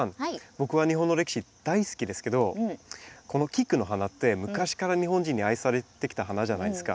僕は日本の歴史大好きですけどこのキクの花って昔から日本人に愛されてきた花じゃないですか。